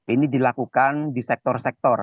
ini dilakukan di sektor sektor